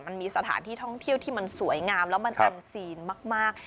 มันมีสถานที่ท่องเที่ยวที่มันสวยงามแล้วมันเป็นซีนมาก